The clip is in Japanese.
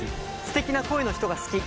「すてきな声の人が好き」。